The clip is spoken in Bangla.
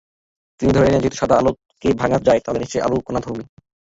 তিনি ধরে নিলেন যেহেতু সাদা আলোকে ভাঙা যায়, তাহলে নিশ্চয় আলো কণাধর্মী।